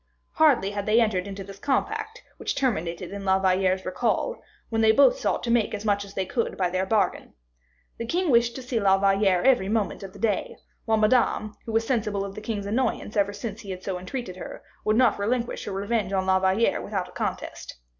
Hardly had they entered into this compact, which terminated in La Valliere's recall, when they both sought to make as much as they could by their bargain. The king wished to see La Valliere every moment of the day, while Madame, who was sensible of the king's annoyance ever since he had so entreated her, would not relinquish her revenge on La Valliere without a contest.